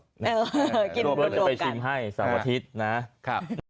รวมไปชิมให้๒อาทิตย์นะครับ